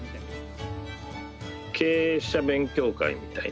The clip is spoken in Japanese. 経営者勉強会みたいな。